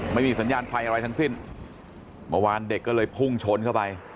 ไม่มีสัญญาณไฟอะไรทั้งสิ้นเมื่อวานเด็กก็เลยพุ่งชนเข้าไป